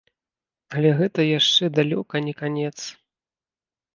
Але гэта яшчэ далёка не канец.